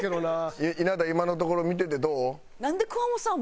稲田今のところ見ててどう？